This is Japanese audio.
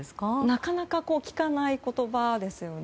なかなか聞かない言葉ですよね。